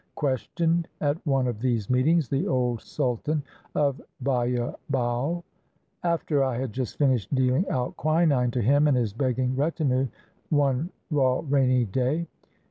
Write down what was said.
questioned, at one of these meetings, the old sultan of Bayabao, after I had just finished dealing out quinine to him and his begging retinue one raw, rainy day.